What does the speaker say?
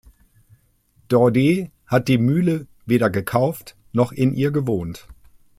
Daudet hat die Mühle weder gekauft noch in ihr gewohnt.